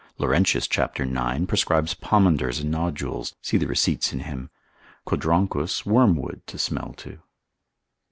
Laurentius cap. 9. prescribes pomanders and nodules; see the receipts in him; Codronchus wormwood to smell to.